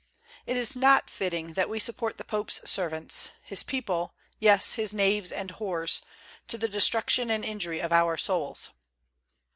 It is not fitting that we support the pope's servants, his people, yes, his knaves and whores, to the destruction and injury of our souls.